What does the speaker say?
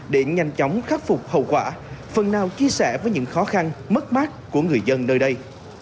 để nhanh chóng khắc phục hậu quả phần nào chia sẻ với những khó khăn mất mát của người dân nơi đây